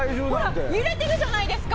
揺れているじゃないですか！